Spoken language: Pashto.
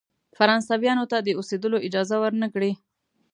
فرانسویانو ته د اوسېدلو اجازه ورنه کړی.